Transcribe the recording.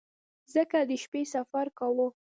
ځکه د شپې سفر کاوه.